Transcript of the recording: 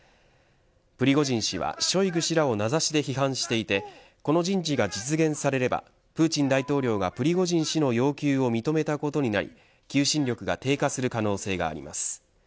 プリゴジン氏はショイグ氏らを名指しで批判していてこの人事が実現されればプーチン大統領がプリゴジン氏の要求を認めたことになり求心力が低下する可能性があります。